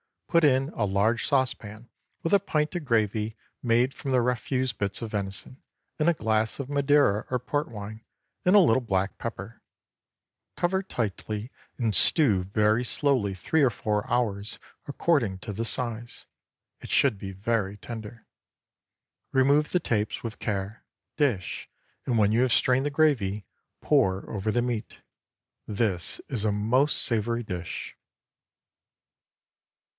Put in a large saucepan with a pint of gravy made from the refuse bits of venison; add a glass of Madeira or Port wine, and a little black pepper. Cover tightly, and stew very slowly three or four hours, according to the size. It should be very tender. Remove the tapes with care; dish, and when you have strained the gravy, pour over the meat. This is a most savory dish.